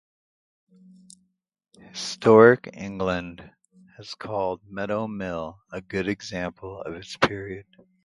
Historic England has called Meadow Mill "a good example of its period".